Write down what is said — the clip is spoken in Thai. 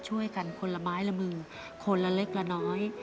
ช่วยกันคนละไม้ละมือคนละเล็กละน้อย